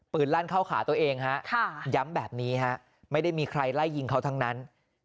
ลั่นเข้าขาตัวเองฮะย้ำแบบนี้ฮะไม่ได้มีใครไล่ยิงเขาทั้งนั้น